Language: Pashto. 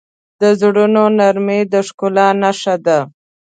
د زړونو نرمي د ښکلا نښه ده.